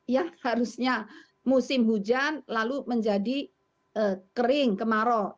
ya harusnya musim hujan lalu menjadi kering kemarau